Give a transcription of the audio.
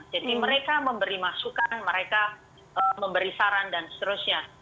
jadi mereka memberi masukan mereka memberi saran dan seterusnya